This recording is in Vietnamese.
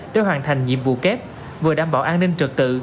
để hoàn thành nhiệm vụ kép vừa đảm bảo an ninh trật tự